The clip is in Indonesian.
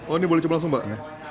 oh ini boleh coba langsung mbak